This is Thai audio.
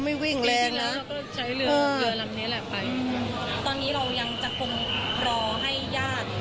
พูดสิทธิ์ข่าวธรรมดาทีวีรายงานสดจากโรงพยาบาลพระนครศรีอยุธยาครับ